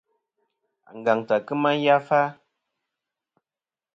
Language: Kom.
Angantɨ à kema yafa.